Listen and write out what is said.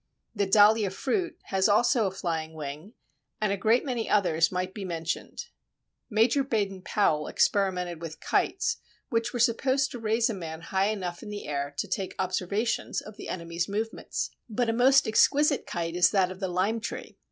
The Dahlia fruit has also a flying wing, and a great many others might be mentioned. Major Baden Powell experimented with kites, which were supposed to raise a man high enough in the air to take observations of the enemy's movements. But a most exquisite "kite" is that of the Lime tree.